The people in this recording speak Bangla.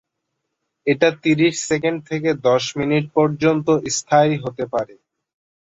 এটা ত্রিশ সেকেন্ড থেকে দশ মিনিট পর্যন্ত স্থায়ী হতে পারে।